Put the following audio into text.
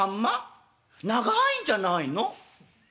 長いんじゃないの？